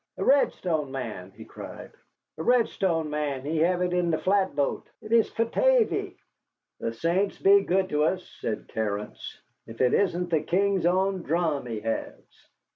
"A Red Stone man," he cried, "a Red Stone man, he have it in the flatboat. It is for Tavy." "The saints be good to us," said Terence, "if it isn't the King's own drum he has."